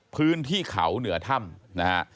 พื้นที่เขาเหนือถ้ำนะฮะ